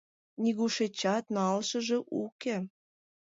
Нигушечат налашыже уке.